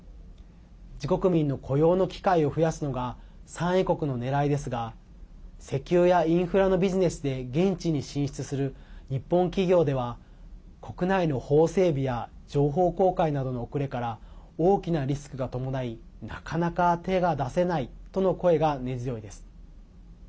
自国民の雇用の機会を増やすのが産油国のねらいですが石油やインフラのビジネスで現地に進出する日本企業では国内の法整備や情報公開などの遅れから大きなリスクが伴いなかなか手が出せないとの声が根強いです。